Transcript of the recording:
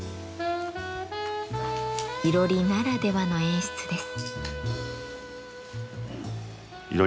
囲炉裏ならではの演出です。